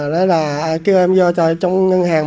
đó là kêu em vô trong ngân hàng